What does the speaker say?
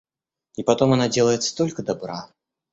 И потом она делает столько добра!